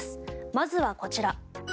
まずはこちら。